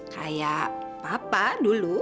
kayak papa dulu